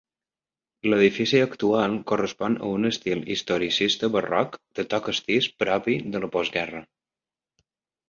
L'edifici actual correspon a un estil historicista barroc de to castís propi de la postguerra.